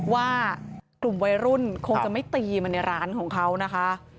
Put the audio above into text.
ว่ากลุ่มวัยรุ่นคงจะไม่ตีมาในร้านของเขานะคะ